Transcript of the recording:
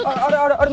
あれ？